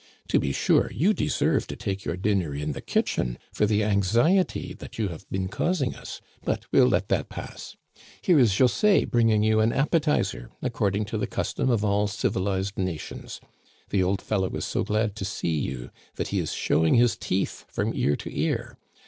To be sure, you deserve to take your dinner in the kitchen, for the anxiety that you have been causing us ; but we'll let that pass. Here is José bringing you an appetizer, according to the custom of all civilized nations. The old fellow is so glad to see you that he is showing his teeth from ear to ear.